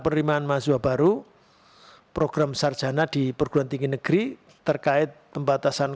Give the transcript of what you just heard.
penerimaan mahasiswa baru program sarjana di perguruan tinggi negeri terkait pembatasan